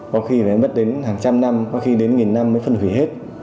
có khi nó mất đến hàng trăm năm có khi đến nghìn năm mới phân hủy hết